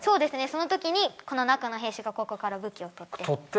その時にこの中の兵士がここから武器を取って。